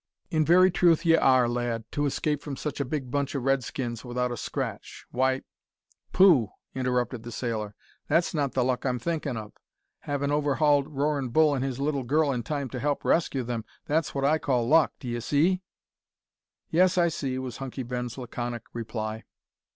"In very truth ye are, lad, to escape from such a big bunch o' Redskins without a scratch; why " "Pooh!" interrupted the sailor, "that's not the luck I'm thinkin' of. Havin' overhauled Roarin' Bull an' his little girl in time to help rescue them, that's what I call luck d'ee see?" "Yes, I see," was Hunky Ben's laconic reply.